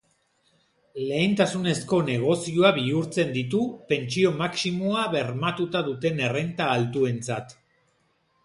Lehentasunezko negozioa bihurtzen ditu, pentsio maximoa bermatuta duten errenta altuentzat.